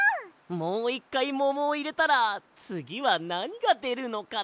もういっかいももをいれたらつぎはなにがでるのかな？